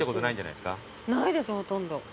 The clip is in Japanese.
ないですほとんど。